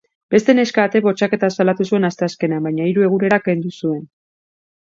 Beste neska batek bortxaketa salatu zuen asteazkenean, baina hiru egunera kendu zuen.